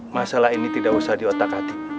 masalah ini tidak usah diotak atik